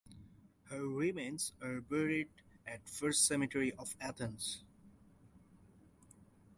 Her remains are buried at First Cemetery of Athens.